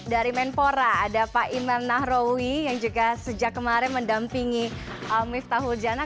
dari menpora ada pak iman nahrawi yang juga sejak kemarin mendampingi mifta huljana